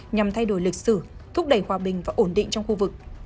nhằm thay đổi lịch sử thúc đẩy hòa bình và ổn định trong khu vực